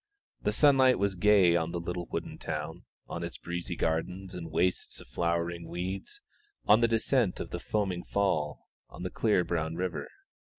The sunlight was gay on the little wooden town, on its breezy gardens and wastes of flowering weeds, on the descent of the foaming fall, on the clear brown river.